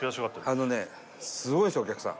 あのねすごいですお客さん。